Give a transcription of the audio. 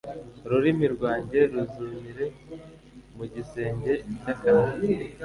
ururimi rwanjye ruzumire mu gisenge cy'akanwa